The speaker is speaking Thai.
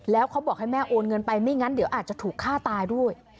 แล้วเขาบอกให้แม่โอนเงินไปไม่งั้นเดี๋ยวอาจจะถูกฆ่าตายด้วย